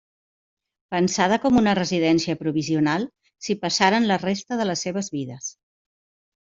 Pensada com una residència provisional s'hi passaren la resta de les seves vides.